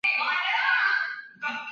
武川众是甲斐国边境的武士团。